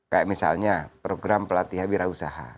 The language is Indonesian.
kayak misalnya program pelatih wirausaha